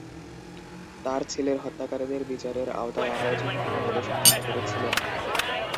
তার ছেলের হত্যাকারীদের বিচারের আওতায় আনার জন্য তিনি আদেশ অমান্য করেছিলেন।